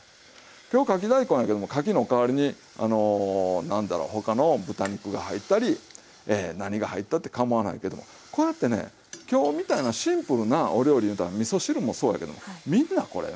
今日かき大根やけどもかきの代わりにあの何だろう他の豚肉が入ったり何が入ったってかまわないけどもこうやってね今日みたいなシンプルなお料理いうたらみそ汁もそうやけどもみんなこれね